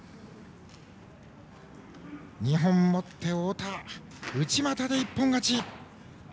２本持って太田、内股で一本勝ち。